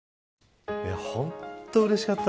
本当うれしかった。